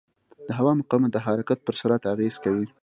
د هوا مقاومت د حرکت پر سرعت اغېز کوي.